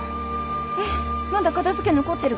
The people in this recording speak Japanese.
えっまだ片付け残ってるけど。